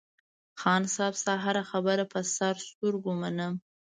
خان صاحب ستا هره خبره په سر سترگو منم.